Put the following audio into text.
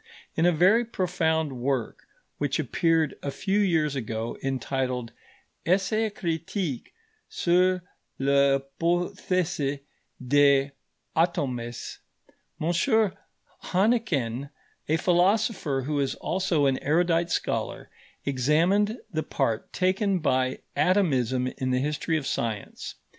In a very profound work which appeared a few years ago, entitled Essai critique sur l'hypothese des atomes, M. Hannequin, a philosopher who is also an erudite scholar, examined the part taken by atomism in the history of science.